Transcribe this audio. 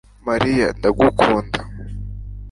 Mariya ndagukunda